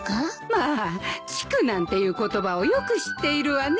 まあ築なんていう言葉をよく知っているわね。